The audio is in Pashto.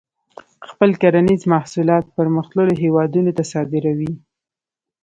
خپل کرنیز محصولات پرمختللو هیوادونو ته صادروي.